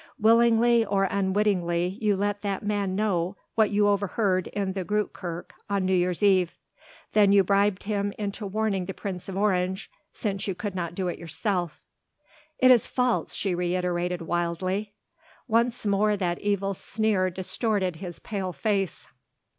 "Willingly or unwittingly you let that man know what you overheard in the Groote Kerk on New Year's Eve. Then you bribed him into warning the Prince of Orange, since you could not do it yourself." "It is false," she reiterated wildly. Once more that evil sneer distorted his pale face.